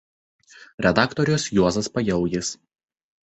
Redaktorius Juozas Pajaujis.